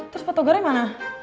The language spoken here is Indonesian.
terus pak togar yang mana